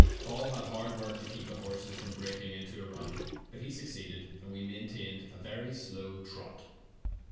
Paul had hard work to keep the horses from breaking into a run, but he succeeded, and we maintained a very slow trot.